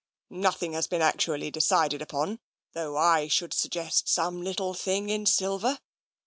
"" Nothing has been actually decided upon, though I should suggest some little thing in silver.